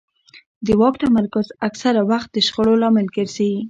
د واک تمرکز اکثره وخت د شخړو لامل ګرځي